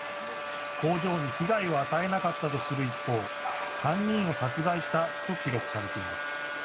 工場に被害は与えなかったとする一方、３人を殺害したと記録されています。